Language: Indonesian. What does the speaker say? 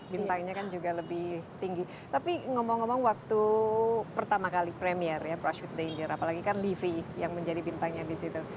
bintangnya kan juga lebih tinggi tapi ngomong ngomong waktu pertama kali premiere ya brush with danger apalagi kan livie yang menjadi bintangnya disitu